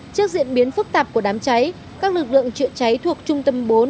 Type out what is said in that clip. trước diễn biến phức tạp của đám cháy các lực lượng chữa cháy thuộc trung tâm bốn